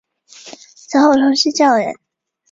此后从事教员。